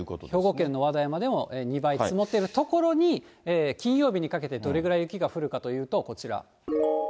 兵庫県のわだやまでも２倍積もっている所に、金曜日にかけてどれぐらい雪が降るかというと、こちら。